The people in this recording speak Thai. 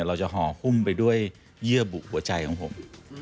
เราจะฮอล์ล์หุ้มไปด้วยเยื่อบุหัวใจของผม